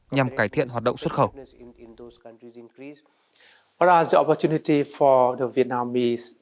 nhằm cải thiện kinh tế việt nam